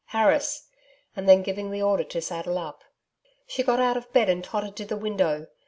Harris' and then giving the order to saddle up. She got out of bed and tottered to the window.